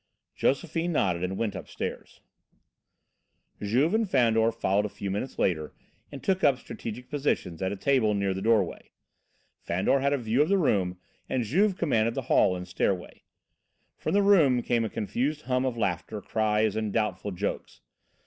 Josephine nodded and went upstairs. Juve and Fandor followed a few minutes later and took up a strategic position at a table near the doorway. Fandor had a view of the room and Juve commanded the hall and stairway. From the room came a confused hum of laughter, cries and doubtful jokes.